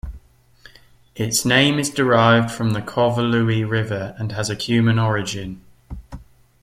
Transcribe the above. Its name is derived from the Covurlui River and has a Cuman origin.